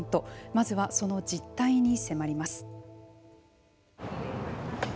まずはその実態に迫ります。